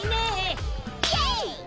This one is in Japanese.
イエイ！